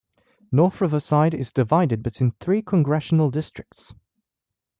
North Riverside is divided between three congressional districts.